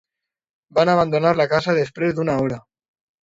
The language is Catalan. Van abandonar la casa després d'una hora.